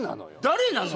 誰なの？